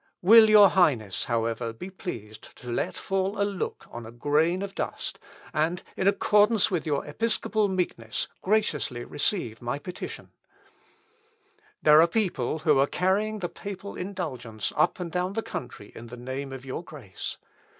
Will your Highness, however, be pleased to let fall a look on a grain of dust, and, in accordance with your episcopal meekness, graciously receive my petition. Fex hominum. (Ibid.) "There are people who are carrying the papal indulgence up and down the country in the name of your Grace.